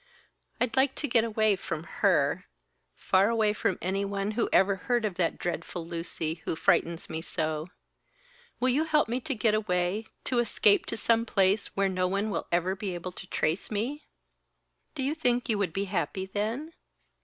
I'd like to get away from her far away from anyone who ever heard of that dreadful Lucy who frightens me so. Will you help me to get away, to escape to some place where no one will ever be able to trace me?" "Do you think you would be happy then?"